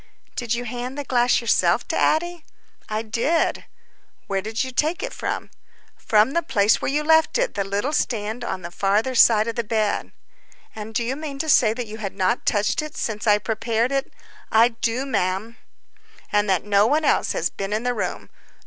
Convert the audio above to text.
"Did you hand the glass yourself to Addie?" "I did." "Where did you take it from?" "From the place where you left it—the little stand on the farther side of the bed." "And do you mean to say that you had not touched it since I prepared it?" "I do, ma'am." "And that no one else has been in the room?"